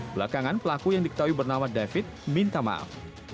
belakangan pelaku yang diketahui bernama david minta maaf